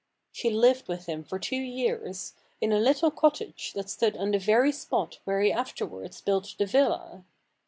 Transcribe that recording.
She lived with him for two years, in a little cottage that stood on the very spot where he afterwards built the villa.